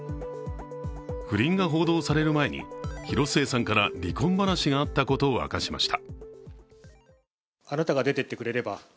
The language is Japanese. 不倫が報道される前に、広末さんから離婚話があったことを明かしました。